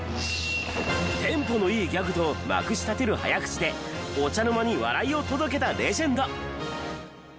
テンポのいいギャグとまくし立てる早口でお茶の間に笑いを届けたレジェンド。